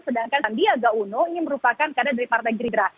sedangkan sandiaga uno ini merupakan kader dari partai gerindra